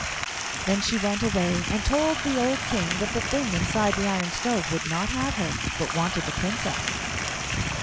Then she went away, and told the old King that the thing inside the iron stove would not have her, but wanted the Princess.